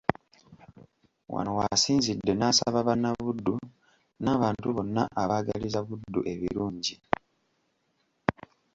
Wano w'asinzidde n'asaba Bannabuddu n'abantu bonna abaagaliza Buddu ebirungi.